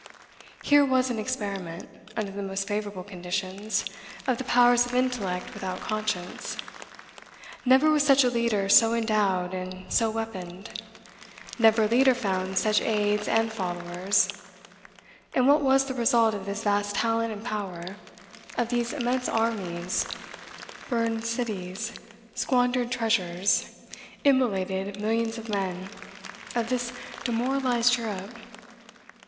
Here was an experiment, under the most favorable conditions, of the powers of intellect without conscience. Never was such a leader so endowed, and so weaponed; never leader found such aids and followers. And what was the result of this vast talent and power, of these immense armies, burned cities, squandered treasures, immolated millions of men, of this demoralized Europe?